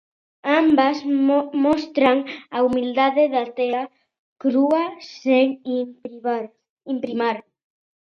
Ambas mostran a humildade da tea crúa, sen imprimar.